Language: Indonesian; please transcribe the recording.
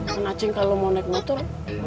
kan aceh kalau mau naik motor